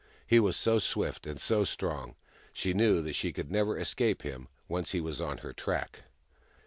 He was so swift and so strong : she knew that she could never escape him, once he was on her track.